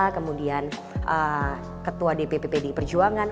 kemudian ketua dpp pdi perjuangan